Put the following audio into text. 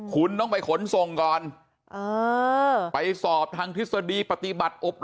คุณต้องไปขนส่งก่อนไปสอบทางทฤษฎีปฏิบัติอบ